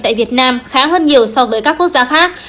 tại việt nam khá hơn nhiều so với các quốc gia khác